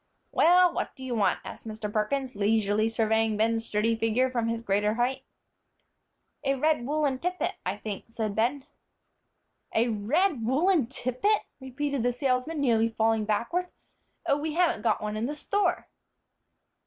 "Well, what do you want?" asked Mr. Perkins, leisurely surveying Ben's sturdy figure from his greater height. "A red woollen tippet, I think," said Ben. "A red woollen tippet!" repeated the salesman, nearly falling backward. "Oh, we haven't got one in the store!"